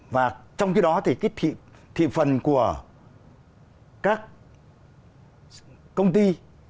và trong khi đó thì cái thị phần của các công ty